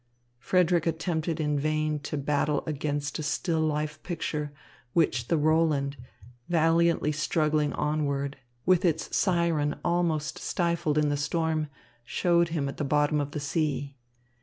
Frederick attempted in vain to battle against a still life picture, which the Roland, valiantly struggling onward, with its siren almost stifled in the storm, showed him at the bottom of the sea.